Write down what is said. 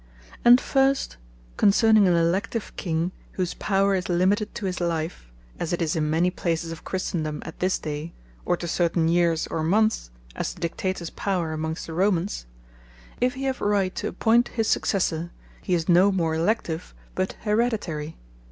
And first, concerning an Elective King, whose power is limited to his life, as it is in many places of Christendome at this day; or to certaine Yeares or Moneths, as the Dictators power amongst the Romans; If he have Right to appoint his Successor, he is no more Elective but Hereditary.